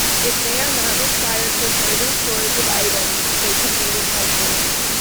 If they are not required for further storage of items, they can be recycled.